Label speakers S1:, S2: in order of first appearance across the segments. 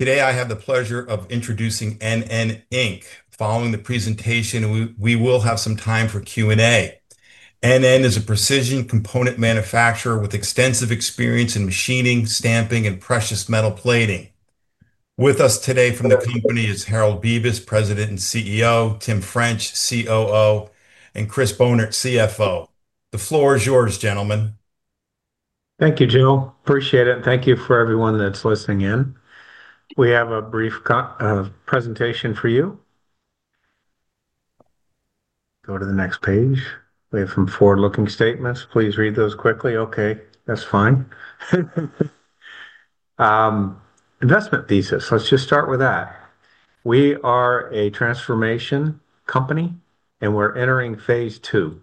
S1: Today I have the pleasure of introducing NN Inc. Following the presentation, we will have some time for Q&A. NN is a precision component manufacturer with extensive experience in machining, stamping, and precious metal plating. With us today from the company is Harold Bevis, President and CEO, Tim French, COO, and Chris Bohnert, CFO. The floor is yours, gentlemen.
S2: Thank you, Joe. Appreciate it. Thank you for everyone that's listening in. We have a brief presentation for you. Go to the next page. We have some forward-looking statements. Please read those quickly. Okay, that's fine. Investment thesis. Let's just start with that. We are a transformation company, and we're entering phase two.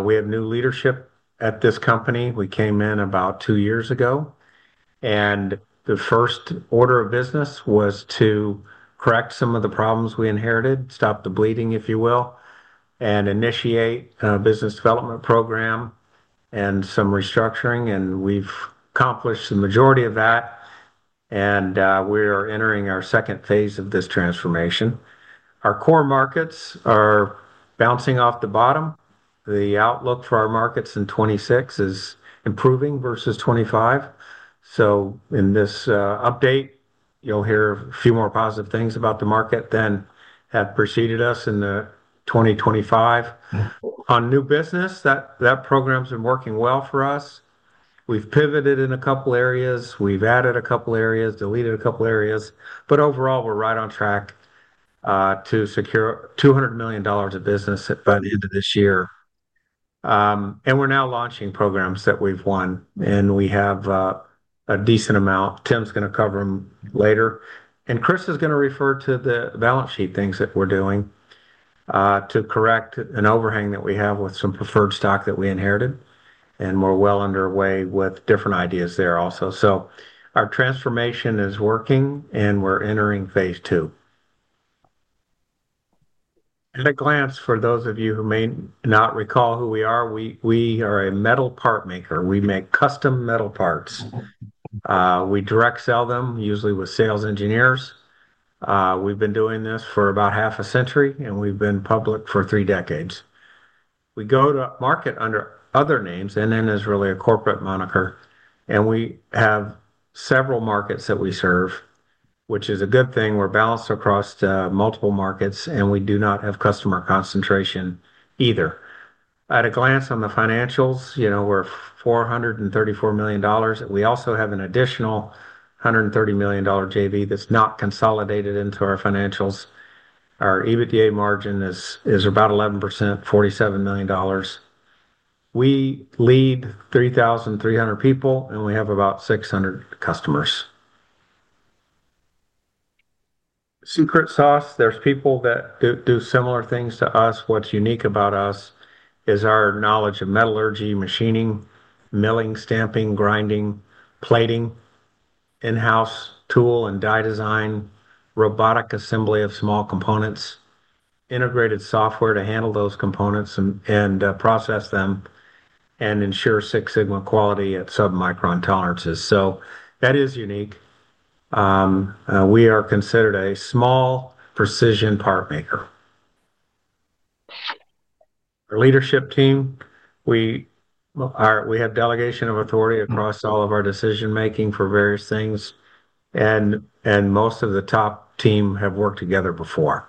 S2: We have new leadership at this company. We came in about two years ago, and the first order of business was to correct some of the problems we inherited, stop the bleeding, if you will, and initiate a business development program and some restructuring. We've accomplished the majority of that, and we are entering our second phase of this transformation. Our core markets are bouncing off the bottom. The outlook for our markets in 2026 is improving versus 2025. In this update, you'll hear a few more positive things about the market than have preceded us in 2025. On new business, that program's been working well for us. We've pivoted in a couple of areas. We've added a couple of areas, deleted a couple of areas, but overall, we're right on track to secure $200 million of business by the end of this year. We're now launching programs that we've won, and we have a decent amount. Tim's going to cover them later, and Chris is going to refer to the balance sheet things that we're doing to correct an overhang that we have with some preferred stock that we inherited, and we're well underway with different ideas there also. Our transformation is working, and we're entering phase two. At a glance, for those of you who may not recall who we are, we are a metal part maker. We make custom metal parts. We direct sell them, usually with sales engineers. We've been doing this for about half a century, and we've been public for three decades. We go to market under other names. NN is really a corporate moniker, and we have several markets that we serve, which is a good thing. We're balanced across multiple markets, and we do not have customer concentration either. At a glance on the financials, you know, we're $434 million. We also have an additional $130 million JV that's not consolidated into our financials. Our EBITDA margin is about 11%, $47 million. We lead 3,300 people, and we have about 600 customers. Secret sauce, there's people that do similar things to us. What's unique about us is our knowledge of metallurgy, machining, milling, stamping, grinding, plating, in-house tool and die design, robotic assembly of small components, integrated software to handle those components and process them, and ensure Six Sigma quality at sub-micron tolerances. That is unique. We are considered a small precision part maker. Our leadership team, we have delegation of authority across all of our decision-making for various things, and most of the top team have worked together before.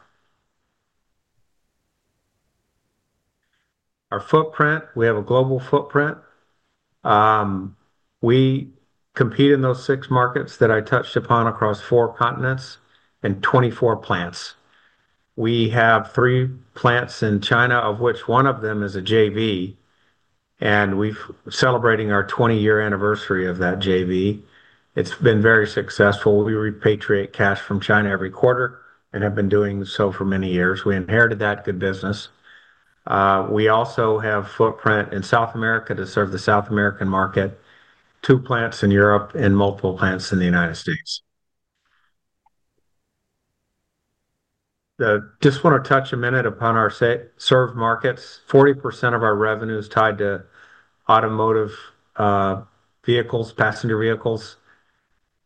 S2: Our footprint, we have a global footprint. We compete in those six markets that I touched upon across four continents and 24 plants. We have three plants in China, of which one of them is a JV, and we're celebrating our 20-year anniversary of that JV. It's been very successful. We repatriate cash from China every quarter and have been doing so for many years. We inherited that good business. We also have a footprint in South America to serve the South American market, two plants in Europe, and multiple plants in the United States. I just want to touch a minute upon our serve markets. 40% of our revenue is tied to automotive vehicles, passenger vehicles.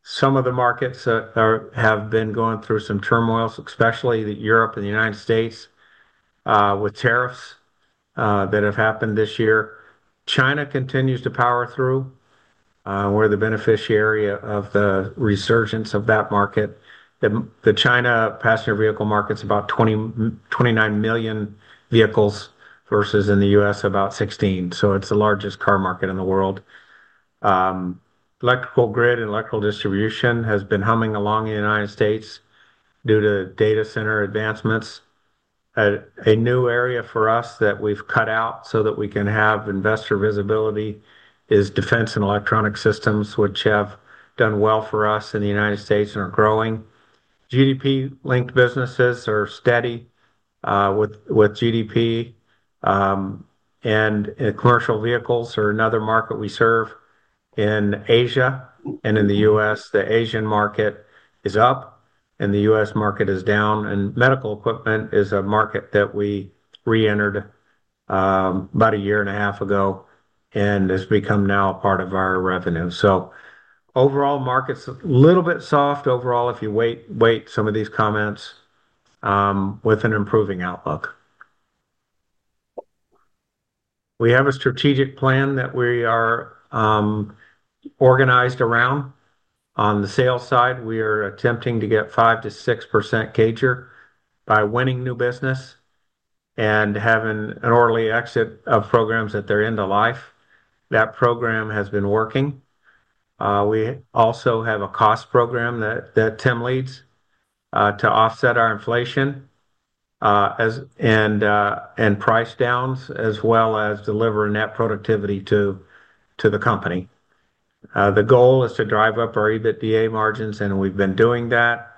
S2: Some of the markets have been going through some turmoil, especially Europe and the U.S., with tariffs that have happened this year. China continues to power through. We're the beneficiary of the resurgence of that market. The China passenger vehicle market is about 29 million vehicles versus in the U.S., about 16 million. It's the largest car market in the world. Electrical grid and electrical distribution has been humming along in the United States due to data center advancements. A new area for us that we've cut out so that we can have investor visibility is defense and electronic systems, which have done well for us in the United States and are growing. GDP-linked businesses are steady with GDP, and commercial vehicles are another market we serve in Asia, and in the U.S., the Asian market is up, and the U.S. market is down. Medical equipment is a market that we reentered about a year and a half ago and has become now a part of our revenue. Overall, market's a little bit soft. Overall, if you weight some of these comments with an improving outlook, we have a strategic plan that we are organized around. On the sales side, we are attempting to get 5%-6% CAGR by winning new business and having an early exit of programs at their end of life. That program has been working. We also have a cost program that Tim leads to offset our inflation and price downs, as well as delivering net productivity to the company. The goal is to drive up our EBITDA margins, and we've been doing that,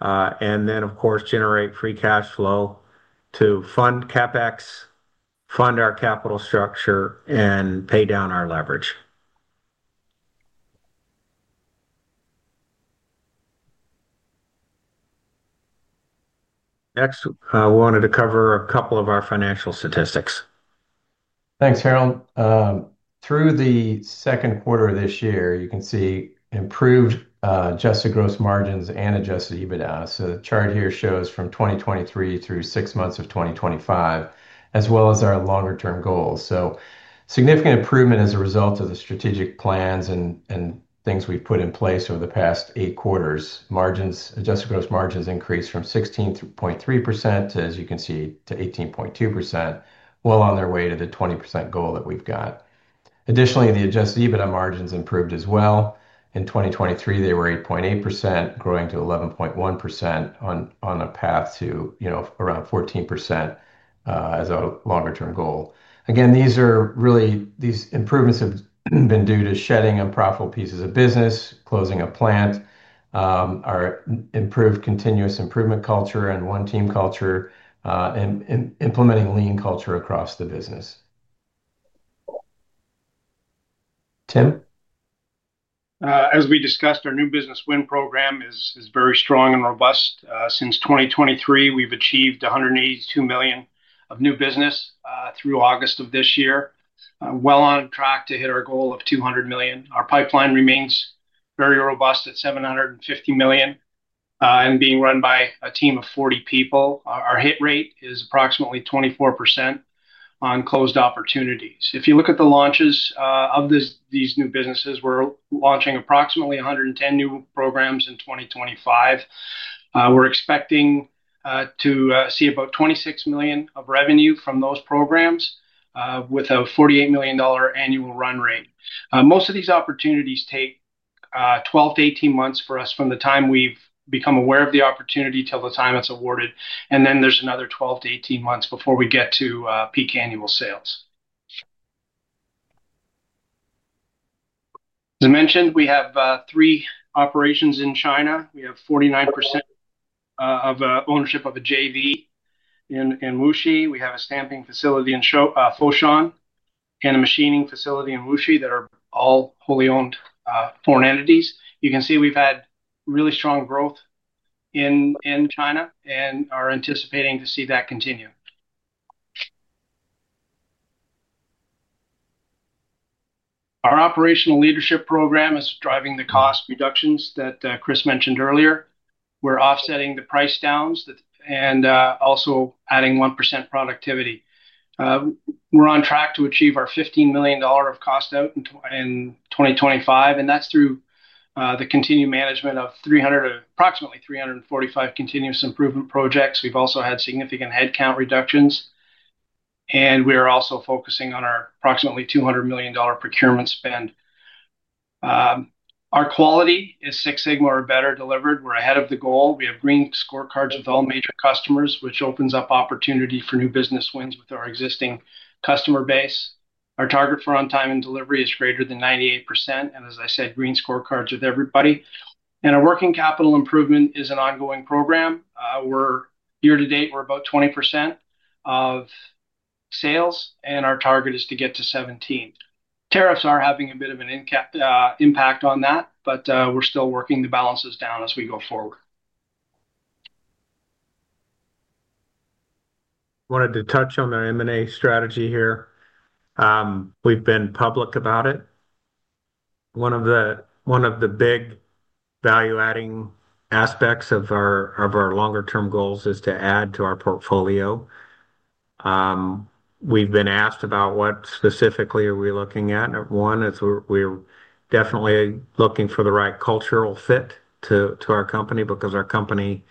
S2: and then, of course, generate free cash flow to fund CapEx, fund our capital structure, and pay down our leverage. Next, I wanted to cover a couple of our financial statistics.
S3: Thanks, Harold. Through the second quarter of this year, you can see improved adjusted gross margins and adjusted EBITDA. The chart here shows from 2023 through six months of 2025, as well as our longer-term goals. Significant improvement as a result of the strategic plans and things we put in place over the past eight quarters. Adjusted gross margins increased from 16.3% to 18.2%, well on their way to the 20% goal that we've got. Additionally, the adjusted EBITDA margins improved as well. In 2023, they were 8.8%, growing to 11.1% on a path to around 14% as a longer-term goal. Again, these improvements have been due to shedding unprofitable pieces of business, closing a plant, our improved continuous improvement culture, and one team culture, and implementing a lean culture across the business. Tim?
S4: As we discussed, our new business win program is very strong and robust. Since 2023, we've achieved $182 million of new business through August of this year, well on track to hit our goal of $200 million. Our pipeline remains very robust at $750 million and being run by a team of 40 people. Our hit rate is approximately 24% on closed opportunities. If you look at the launches of these new businesses, we're launching approximately 110 new programs in 2025. We're expecting to see about $26 million of revenue from those programs with a $48 million annual run rate. Most of these opportunities take 12-18 months for us from the time we've become aware of the opportunity till the time it's awarded. Then there's another 12-18 months before we get to peak annual sales. As I mentioned, we have three operations in China. We have 49% of ownership of a JV in Wuxi. We have a stamping facility in Foshan, and a machining facility in Wuxi that are all wholly owned foreign entities. You can see we've had really strong growth in China and are anticipating to see that continue. Our operational leadership program is driving the cost reductions that Chris mentioned earlier. We're offsetting the price downs and also adding 1% productivity. We're on track to achieve our $15 million of cost out in 2025, and that's through the continued management of approximately 345 continuous improvement projects. We've also had significant headcount reductions, and we are also focusing on our approximately $200 million procurement spend. Our quality is Six Sigma or better delivered. We're ahead of the goal. We have green scorecards with all major customers, which opens up opportunity for new business wins with our existing customer base. Our target for on-time and delivery is greater than 98%. As I said, green scorecards with everybody. Our working capital improvement is an ongoing program. Year to date, we're about 20% of sales, and our target is to get to 17%. Tariffs are having a bit of an impact on that, but we're still working to balance this down as we go forward.
S2: I wanted to touch on our M&A strategy here. We've been public about it. One of the big value-adding aspects of our longer-term goals is to add to our portfolio. We've been asked about what specifically are we looking at. One, we're definitely looking for the right cultural fit to our company because our company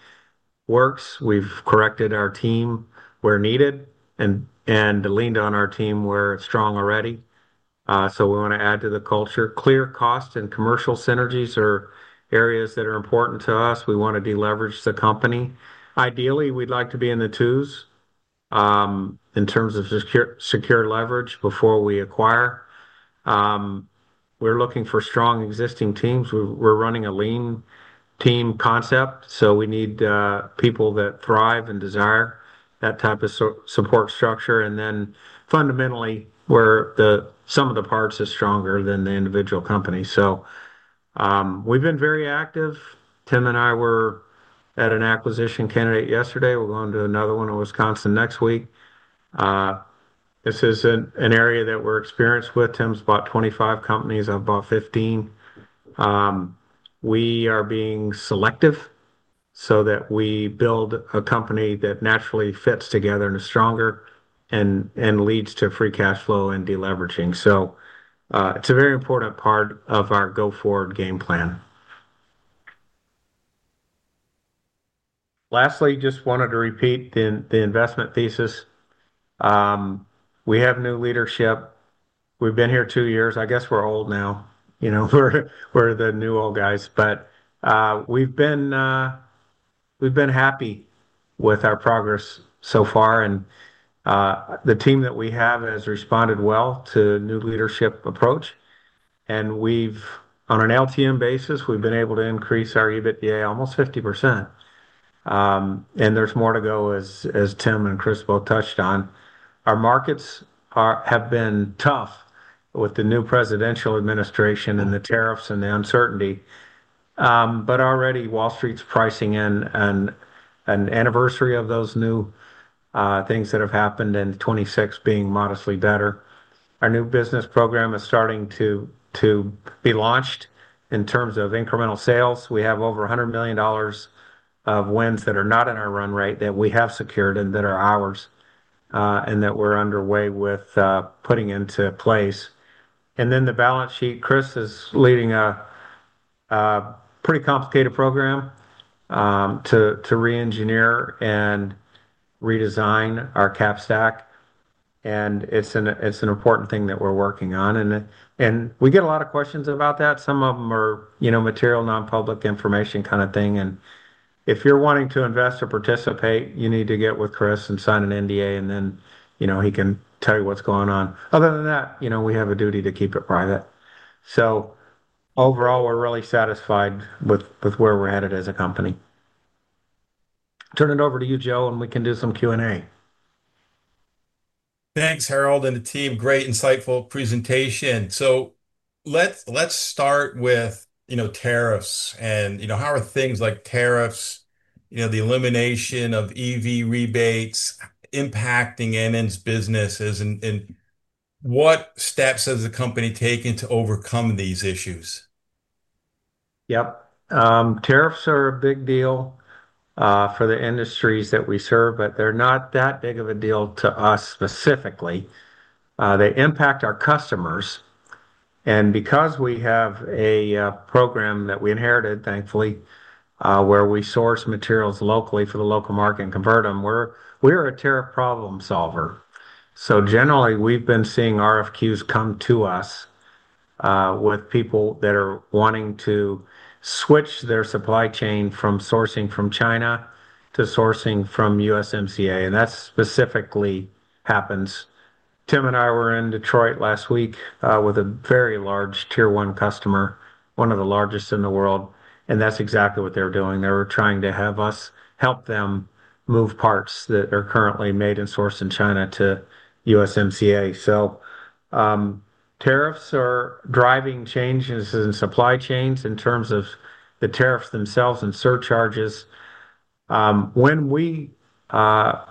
S2: works. We've corrected our team where needed and leaned on our team where it's strong already. We want to add to the culture. Clear costs and commercial synergies are areas that are important to us. We want to deleverage the company. Ideally, we'd like to be in the twos in terms of secure leverage before we acquire. We're looking for strong existing teams. We're running a lean team concept, so we need people that thrive and desire that type of support structure. Fundamentally, some of the parts are stronger than the individual company. We've been very active. Tim and I were at an acquisition candidate yesterday. We're going to another one in Wisconsin next week. This is an area that we're experienced with. Tim's bought 25 companies, I've bought 15. We are being selective so that we build a company that naturally fits together and is stronger and leads to free cash flow and deleveraging. It's a very important part of our go-forward game plan. Lastly, just wanted to repeat the investment thesis. We have new leadership. We've been here two years. I guess we're old now. You know, we're the new old guys, but we've been happy with our progress so far, and the team that we have has responded well to a new leadership approach. We've, on an LTM basis, been able to increase our EBITDA almost 50%. There's more to go, as Tim and Chris both touched on. Our markets have been tough with the new presidential administration and the tariffs and the uncertainty, but already Wall Street's pricing in an anniversary of those new things that have happened in 2026 being modestly better. Our new business program is starting to be launched in terms of incremental sales. We have over $100 million of wins that are not in our run rate that we have secured and that are ours and that we're underway with putting into place. The balance sheet, Chris is leading a pretty complicated program to re-engineer and redesign our cap stack, and it's an important thing that we're working on. We get a lot of questions about that. Some of them are, you know, material, non-public information kind of thing. If you're wanting to invest or participate, you need to get with Chris and sign an NDA, and then, you know, he can tell you what's going on. Other than that, you know, we have a duty to keep it private. Overall, we're really satisfied with where we're headed as a company. Turn it over to you, Joe, and we can do some Q&A.
S1: Thanks, Harold and the team. Great insightful presentation. Let's start with, you know, tariffs and, you know, how are things like tariffs, you know, the elimination of EV rebates impacting NN's businesses and what steps has the company taken to overcome these issues?
S2: Tariffs are a big deal for the industries that we serve, but they're not that big of a deal to us specifically. They impact our customers. Because we have a program that we inherited, thankfully, where we source materials locally for the local market and convert them, we're a tariff problem solver. Generally, we've been seeing RFQs come to us with people that are wanting to switch their supply chain from sourcing from China to sourcing from USMCA, and that specifically happens. Tim and I were in Detroit last week with a very large Tier 1 customer, one of the largest in the world, and that's exactly what they were doing. They were trying to have us help them move parts that are currently made and sourced in China to USMCA. Tariffs are driving changes in supply chains in terms of the tariffs themselves and surcharges. When we are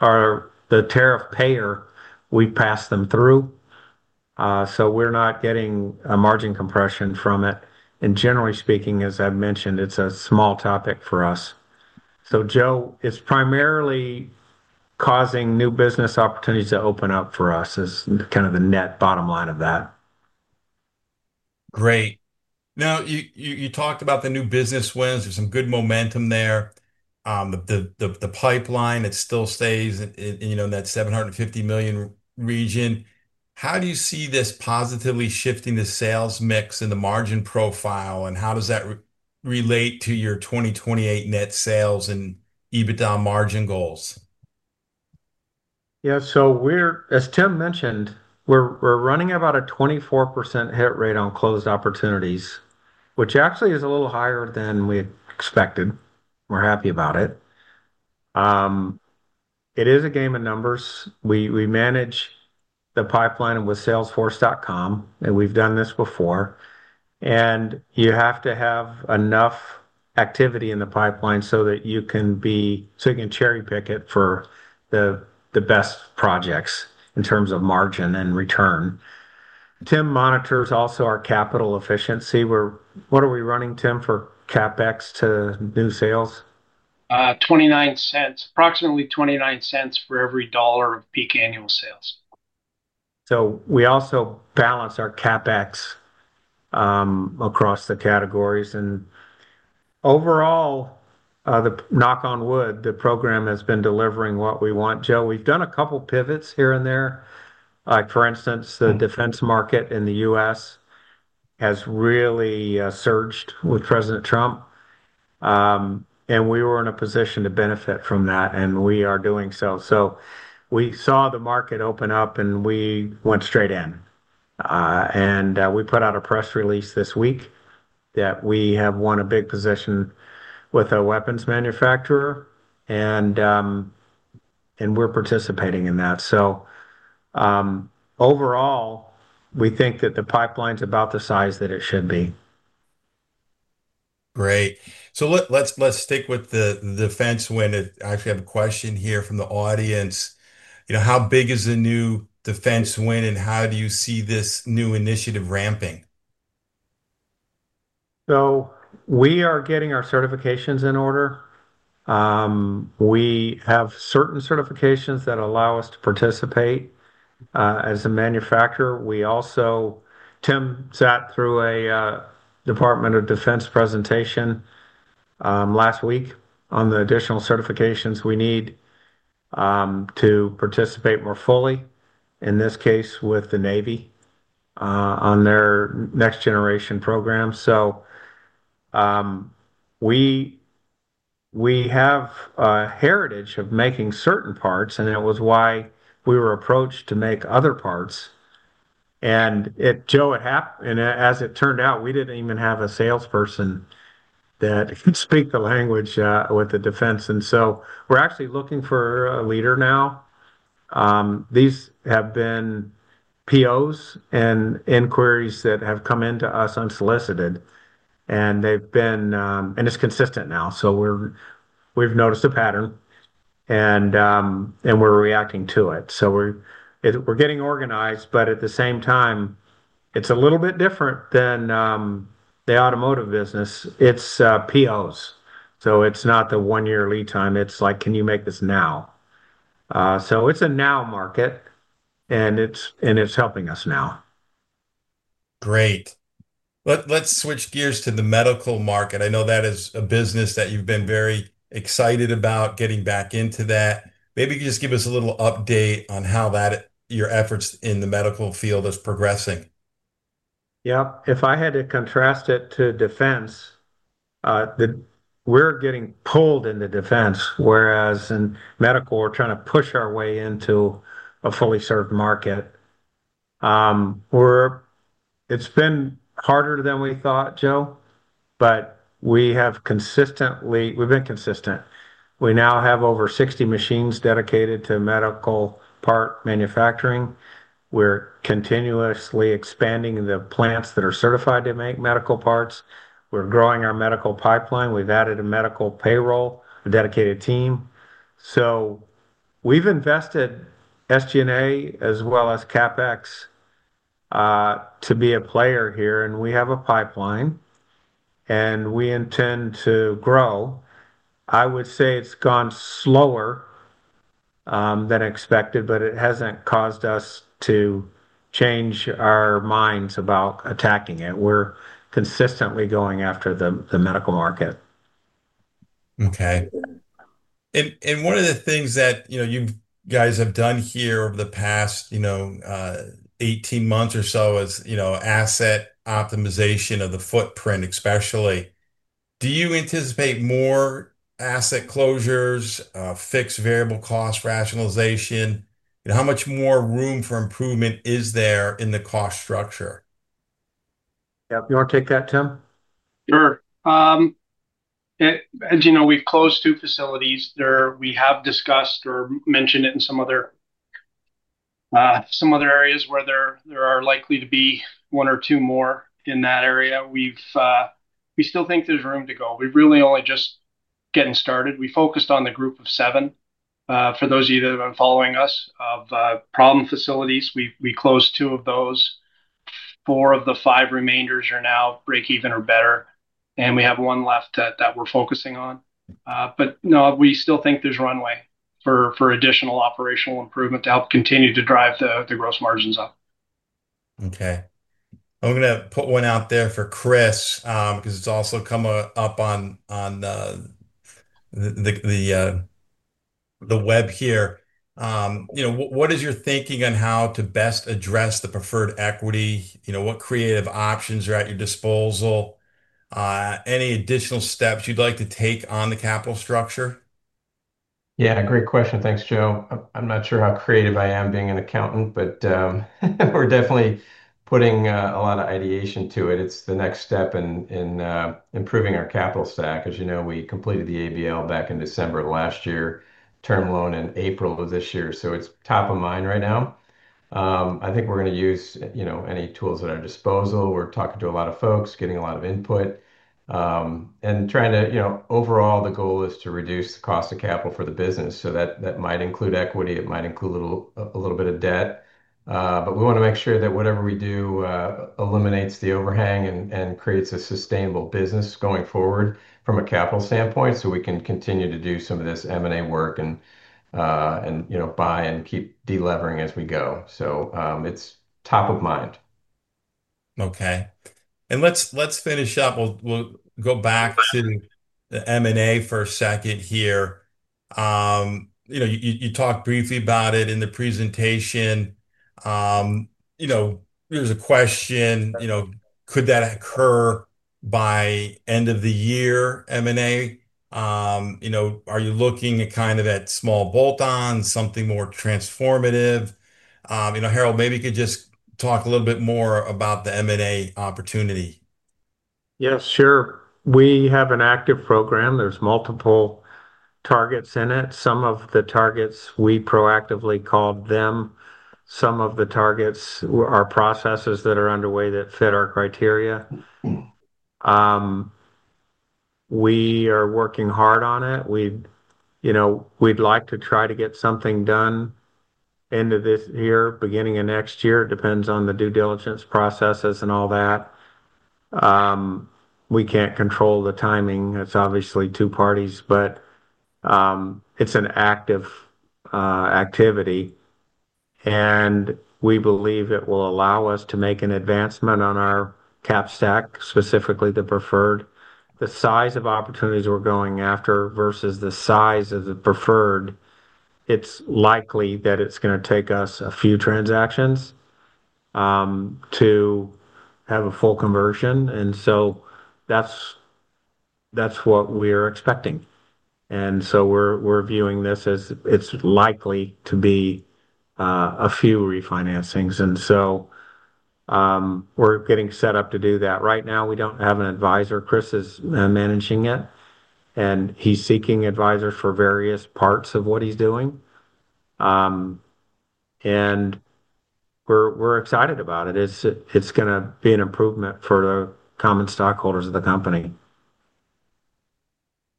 S2: the tariff payer, we pass them through, so we're not getting a margin compression from it. Generally speaking, as I mentioned, it's a small topic for us. Joe, it's primarily causing new business opportunities to open up for us is kind of the net bottom line of that.
S1: Great. Now you talked about the new business wins. There's some good momentum there. The pipeline still stays in that $750 million region. How do you see this positively shifting the sales mix and the margin profile, and how does that relate to your 2028 net sales and EBITDA margin goals?
S2: Yeah, as Tim mentioned, we're running about a 24% hit rate on closed opportunities, which actually is a little higher than we expected. We're happy about it. It is a game of numbers. We manage the pipeline with Salesforce.com, and we've done this before. You have to have enough activity in the pipeline so that you can be cherry picking for the best projects in terms of margin and return. Tim monitors also our capital efficiency. What are we running, Tim, for CapEx to new sales?
S4: $0.29, approximately $0.29 for every dollar of peak annual sales.
S2: We also balance our CapEx across the categories. Overall, knock on wood, the program has been delivering what we want. Joe, we've done a couple of pivots here and there. For instance, the defense market in the U.S. has really surged with President Trump, and we were in a position to benefit from that, and we are doing so. We saw the market open up, and we went straight in. We put out a press release this week that we have won a big position with a weapons manufacturer, and we're participating in that. Overall, we think that the pipeline's about the size that it should be.
S1: Great. Let's stick with the defense win. I actually have a question here from the audience. You know, how big is the new defense win, and how do you see this new initiative ramping?
S2: We are getting our certifications in order. We have certain certifications that allow us to participate as a manufacturer. Tim sat through a Department of Defense presentation last week on the additional certifications we need to participate more fully, in this case with the Navy on their next generation program. We have a heritage of making certain parts, and it was why we were approached to make other parts. Joe, it happened, and as it turned out, we didn't even have a salesperson that could speak the language with the defense. We are actually looking for a leader now. These have been POs and inquiries that have come into us unsolicited, and it's consistent now. We have noticed a pattern, and we're reacting to it. We are getting organized, but at the same time, it's a little bit different than the automotive business. It's POs. It's not the one-year lead time. It's like, can you make this now? It's a now market, and it's helping us now.
S1: Great. Let's switch gears to the medical market. I know that is a business that you've been very excited about getting back into. Maybe you can just give us a little update on how your efforts in the medical field are progressing.
S2: Yeah, if I had to contrast it to defense, we're getting pulled into defense, whereas in medical, we're trying to push our way into a fully served market. It's been harder than we thought, Joe, but we have been consistent. We now have over 60 machines dedicated to medical part manufacturing. We're continuously expanding the plants that are certified to make medical parts. We're growing our medical pipeline. We've added a medical payroll, a dedicated team. We've invested SG&A as well as CapEx to be a player here, and we have a pipeline, and we intend to grow. I would say it's gone slower than expected, but it hasn't caused us to change our minds about attacking it. We're consistently going after the medical market.
S1: Okay. One of the things that you guys have done here over the past 18 months or so is asset optimization of the footprint, especially. Do you anticipate more asset closures, fixed variable cost rationalization? How much more room for improvement is there in the cost structure?
S2: Yeah, you want to take that, Tim?
S4: Sure. As you know, we've closed two facilities. We have discussed or mentioned it in some other areas where there are likely to be one or two more in that area. We still think there's room to go. We're really only just getting started. We focused on the group of seven. For those of you that have been following us, of problem facilities, we closed two of those. Four of the five remainders are now breakeven or better, and we have one left that we're focusing on. We still think there's runway for additional operational improvement to help continue to drive the gross margins up.
S1: Okay. I'm going to put one out there for Chris because it's also come up on the web here. What is your thinking on how to best address the preferred equity? What creative options are at your disposal? Any additional steps you'd like to take on the capital structure?
S3: Yeah, great question. Thanks, Joe. I'm not sure how creative I am being an accountant, but we're definitely putting a lot of ideation to it. It's the next step in improving our capital stack. As you know, we completed the ABL back in December of last year, term loan in April of this year. It's top of mind right now. I think we're going to use any tools at our disposal. We're talking to a lot of folks, getting a lot of input, and trying to, you know, overall, the goal is to reduce the cost of capital for the business. That might include equity. It might include a little bit of debt. We want to make sure that whatever we do eliminates the overhang and creates a sustainable business going forward from a capital standpoint so we can continue to do some of this M&A work and, you know, buy and keep delevering as we go. It's top of mind.
S1: Okay. Let's finish up. We'll go back to the M&A for a second here. You talked briefly about it in the presentation. There's a question, could that occur by end of the year, M&A? Are you looking at kind of that small bolt-on, something more transformative? Harold, maybe you could just talk a little bit more about the M&A opportunity.
S2: Yeah, sure. We have an active program. There's multiple targets in it. Some of the targets we proactively called. Some of the targets are processes that are underway that fit our criteria. We are working hard on it. We'd like to try to get something done end of this year, beginning of next year. It depends on the due diligence processes and all that. We can't control the timing. It's obviously two parties, but it's an active activity. We believe it will allow us to make an advancement on our cap stack, specifically the preferred. The size of opportunities we're going after versus the size of the preferred, it's likely that it's going to take us a few transactions to have a full conversion. That's what we are expecting. We're viewing this as it's likely to be a few refinancings. We're getting set up to do that. Right now, we don't have an advisor. Chris is managing it, and he's seeking advisors for various parts of what he's doing. We're excited about it. It's going to be an improvement for the common stockholders of the company.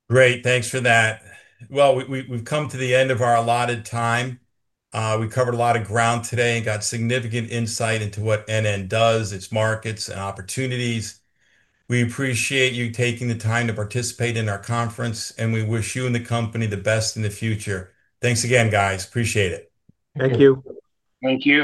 S1: Great. Thanks for that. We've come to the end of our allotted time. We covered a lot of ground today and got significant insight into what NN does, its markets, and opportunities. We appreciate you taking the time to participate in our conference, and we wish you and the company the best in the future. Thanks again, guys. Appreciate it.
S2: Thank you.
S4: Thank you.